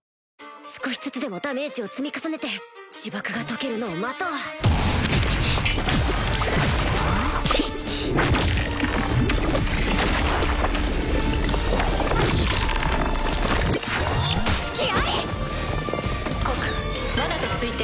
少しずつでもダメージを積み重ねて呪縛が解けるのを待とう隙あり！告罠と推定。